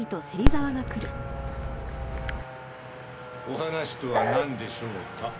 お話とはなんでしょうか？